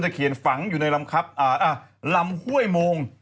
ต้นตะเขียนฝังอยู่ในลำคัพอ่าลำห้วยมง